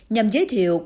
nhằm giới thiệu quả